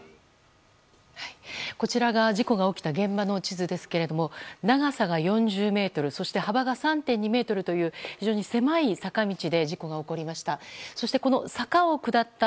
こちらが事故が起きた現場の地図ですけども長さが４０ｍそして幅が３．２ｍという非常に狭い坂道で事故が起こりました。